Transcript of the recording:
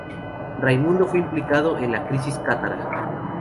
Raimundo fue implicado en la crisis cátara.